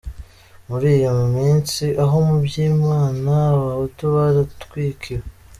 Muri iyo minsi aho mu Byimana abahutu baratwikiwe.